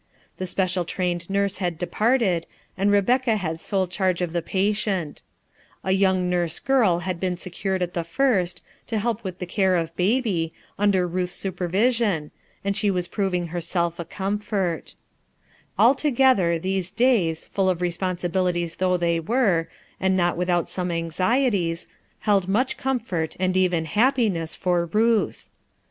The special trained nurse kid departed, and Rebecca had sole charge of the patient. A young nurse girl had been secured at the first, to help with the care of baby, under Ruth's supervision, and she was proving herself a comfort, Altogether, these days, full of responsibilities though they were, and not without some anxi eties, held much comfort and even happiness for Hutli.